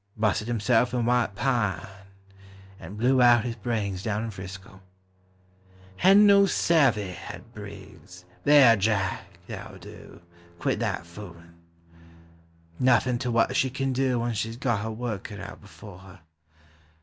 — Busted hisself in White Pine, and blew out his brains down in 'Frisco. Hedn't no savey, — hed Briggs. Thar, Jack! that'll do, — quit that foolin'! Nothin' to what she kin do when she 's got her work cut out before her.